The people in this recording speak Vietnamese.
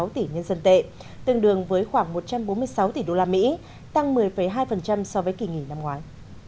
chín trăm hai mươi sáu tỷ nhân dân tệ tương đương với khoảng một trăm bốn mươi sáu tỷ đô la mỹ tăng một mươi hai so với kỳ nghỉ năm ngoái